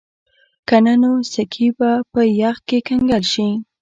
که نه نو سکي به په یخ کې کنګل شي